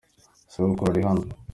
Sogokuru ari hano.